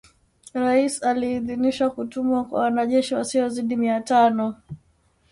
Rais aliidhinisha kutumwa kwa wanajeshi wasiozidi mia tano